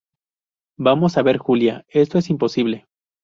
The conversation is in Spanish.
vamos a ver, Julia, esto es imposible.